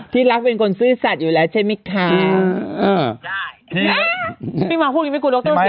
พี่รักเป็นคนซื้อสัตว์อยู่แหละใช่มั้ยค่ะ